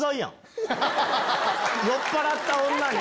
酔っぱらった女に。